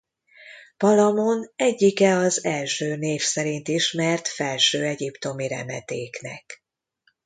Palamon egyike az első név szerint ismert Felső-egyiptomi remetéknek.